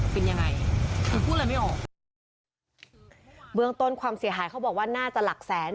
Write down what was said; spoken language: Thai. เป็นยังไงคือพูดอะไรไม่ออกเบื้องต้นความเสียหายเขาบอกว่าน่าจะหลักแสน